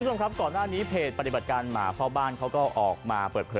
คุณผู้ชมครับก่อนหน้านี้เพจปฏิบัติการหมาเฝ้าบ้านเขาก็ออกมาเปิดเผย